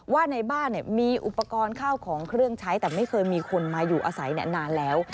ว่าในบ้านมีอุปกรณ์ข้าวของเครื่องใช้แต่ไม่เคยมีคนมาอยู่อาศัยนานแล้ว